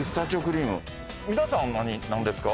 皆さん何ですか？